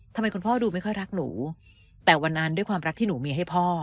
คุณพ่อดูไม่ค่อยรักหนูแต่วันนั้นด้วยความรักที่หนูมีให้พ่อ